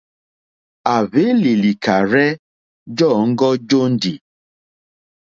À hwélì lìkàrzɛ́ jɔǃ́ɔ́ŋɡɔ́ jóndì.